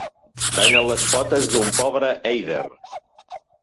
Tallen les potes d'un pobre èider.